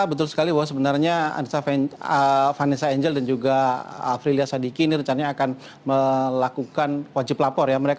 betul sekali bahwa sebenarnya vanessa angel dan juga afrilia sadiki ini rencananya akan melakukan wajib lapor ya